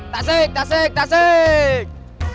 tasik tasik tasik